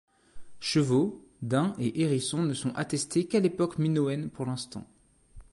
Chevaux, daims et hérissons ne sont attestés qu’à l’époque minoenne pour l’instant.